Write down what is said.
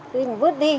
tui cũng vước đi